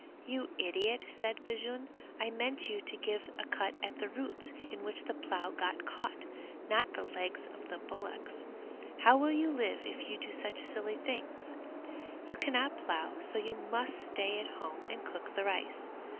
"You idiot," said Bajun, "I meant you to give a cut at the roots in which the plough got caught, not at the legs of the bullocks; how will you live if you do such silly things? You cannot plough, you must stay at home and cook the rice.